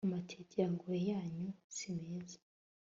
amatakirangoyi yanyu simeza